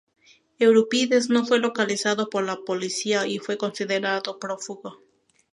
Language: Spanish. Eurípides no fue localizado por la policía y fue considerado prófugo.